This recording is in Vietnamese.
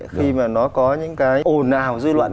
khi mà nó có những cái ồn ào dư luận